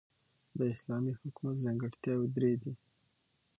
د اسلامی حکومت ځانګړتیاوي درې دي.